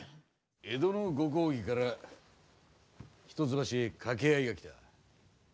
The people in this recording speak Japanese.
江戸のご公儀から一橋へ掛け合いが来た。